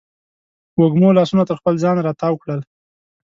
وږمو لاسونه تر خپل ځان راتاو کړل